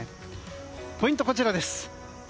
ポイントはこちらです。